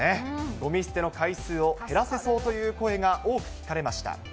ごみ捨ての回数を減らせそうという声が聞かれました。